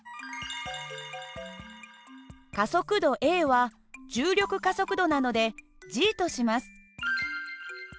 加速度ａは重力加速度なのでとします。